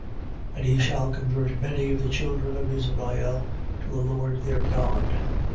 1:16. And he shall convert many of the children of Israel to the Lord their God.